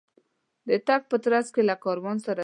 د تګ په ترڅ کې له کاروان سره سپي یو ځای شول.